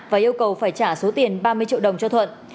và yêu cầu phải trả số tiền ba mươi triệu đồng cho thuận